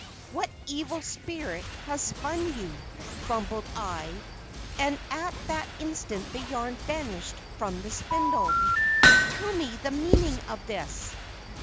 'What evil spirit has spun you?' grumbled I; and at that instant the yarn vanished from the spindle. Tell me the meaning of this."